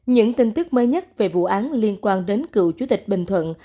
những tin tức mới nhất về vụ án liên quan đến cựu chủ tịch bình thuận